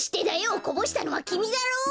こぼしたのはきみだろ！